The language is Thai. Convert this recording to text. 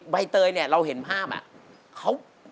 ใบเตยเนี่ยเราเห็นภาพอ่ะ